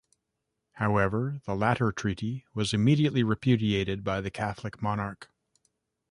However, the latter treaty was immediately repudiated by the Catholic Monarch.